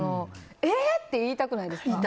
えっ？って言いたくないですか。